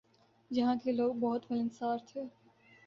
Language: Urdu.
یہاں کے لوگ بہت ملنسار تھے ۔